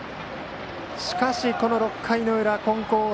しかしこの６回の裏金光